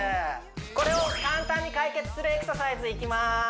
これを簡単に解決するエクササイズいきます